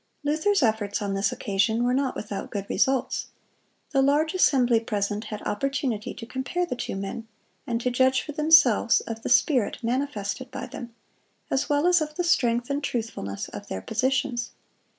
Luther's efforts on this occasion were not without good results. The large assembly present had opportunity to compare the two men, and to judge for themselves of the spirit manifested by them, as well as of the strength and truthfulness of their positions.